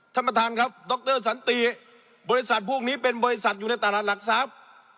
ท่านประธานครับดรสันติบริษัทพวกนี้เป็นบริษัทอยู่ในตลาดหลักทรัพย์